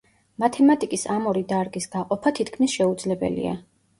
მათემატიკის ამ ორი დარგის გაყოფა თითქმის შეუძლებელია.